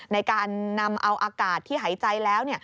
ในการนำเอาอากาศที่หายใจแล้ว